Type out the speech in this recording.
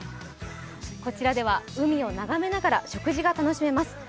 こちらでは海を眺めながら食事を楽しめます。